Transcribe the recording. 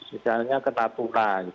misalnya kena tunang